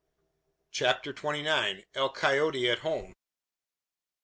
CHAPTER TWENTY NINE. EL COYOTE AT HOME.